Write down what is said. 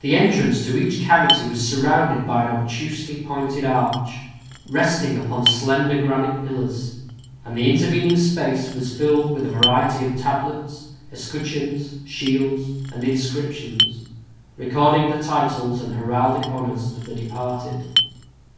The entrance to each cavity was surrounded by an obtusely pointed arch, resting upon slender granite pillars; and the intervening space was filled up with a variety of tablets, escutcheons, shields, and inscriptions, recording the titles and heraldic honors of the departed.